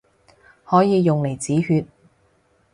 可以用嚟止血